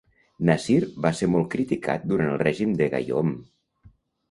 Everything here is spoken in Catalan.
Nasir va ser molt criticat durant el règim de Gayoom.